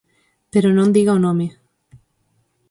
Pero non diga o nome.